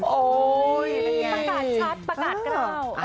โห้ประกาศชัดประกาศกราบ